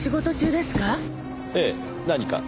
ええ。何か？